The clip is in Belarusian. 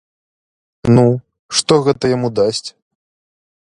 Ну, што гэта яму дасць?